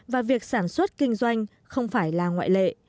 và việc sản xuất kinh doanh không phải là ngoại lệ